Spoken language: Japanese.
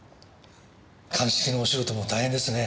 鑑識のお仕事も大変ですね。